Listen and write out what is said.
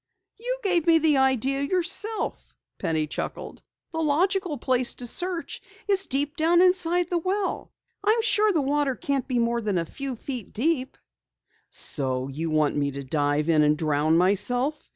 "You gave me the idea yourself," Penny chuckled. "The logical place to search is deep down inside the well. I'm sure the water can't be more than a few feet deep." "So you want me to dive in and drown myself?"